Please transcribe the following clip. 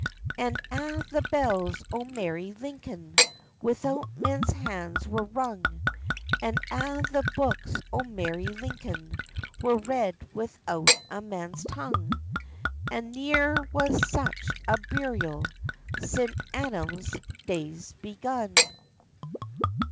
And a the bells o merry Lincoln Without men's hands were rung, And a' the books o merry Lincoln Were read without man's tongue, And neer was such a burial Sin Adam's days begun.